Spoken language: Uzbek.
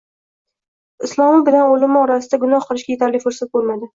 Islomi bilan o‘limi orasida gunoh qilishga yetarli fursat bo‘lmadi